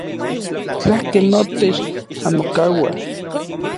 Tlakej notech anmokauaj.